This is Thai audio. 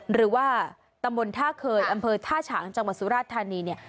หรือว่าตำบลท่าเคยอำเภอท่าฉางจังหวัดสุราชธานีเนี่ย